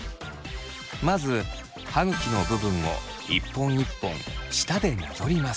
まず歯ぐきの部分を一本一本舌でなぞります。